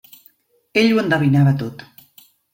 Ell ho endevinava tot.